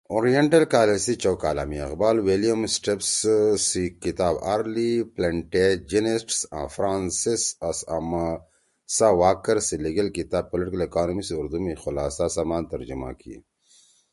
اوریئنٹل کالج سی چؤ کالا می اقبال ویلیئم اسٹبس سی کتاب (Early Plantagenets) آں فرانسِس آماسا واکر سی لیِگیل کتاب (Political Economy) سی اُردو می خلاصہ سمان ترجُمہ کی